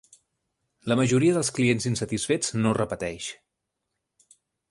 La majoria dels clients insatisfets no repeteix.